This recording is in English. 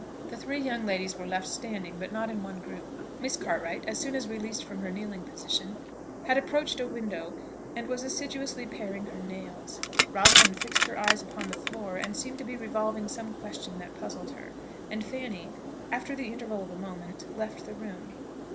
The three young ladies were left standing, but not in one group. Miss Cartwright, as soon as released from her kneeling position, had approached a window, and was assiduously paring her nails; Rosalind fixed her eyes upon the floor, and seemed to be revolving some question that puzzled her; and Fanny, after the interval of a moment, left the room.